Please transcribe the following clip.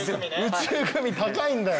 宇宙グミ高いんだよ。